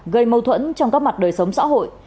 gây mâu thuẫn trong các mặt đời sống xã hội